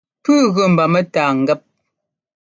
Pûu gʉ mba mɛ́tâa ŋgɛ́p.